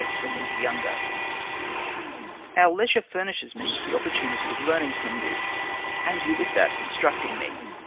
PLINY, THE YOUNGER Letter to Sura Our leisure furnishes me with the opportunity of learning from you, and you with that of instructing me.